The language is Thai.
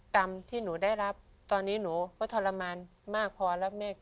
กรรมที่หนูได้รับตอนนี้หนูก็ทรมานมากพอแล้วแม่